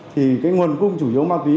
thì cái nguồn cung chủ yếu ma túy